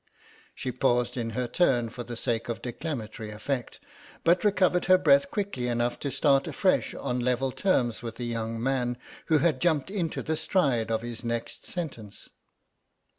She paused in her turn for the sake of declamatory effect, but recovered her breath quickly enough to start afresh on level terms with the young man, who had jumped into the stride of his next sentence.